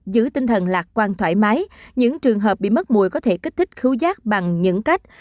dưới tinh thần lạc quan thoải mái những trường hợp bị mất mùi có thể kích thích khứu rác bằng những cách